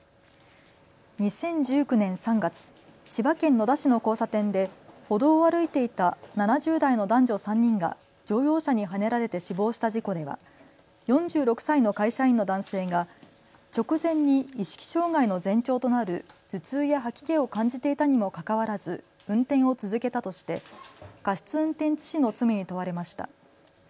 ２０１９年３月、千葉県野田市の交差点で歩道を歩いていた７０代の男女３人が乗用車にはねられて死亡した事故では４６歳の会社員の男性が直前に意識障害の前兆となる頭痛や吐き気を感じていたにもかかわらず運転を続けたとして過失運転致死の罪に問われました。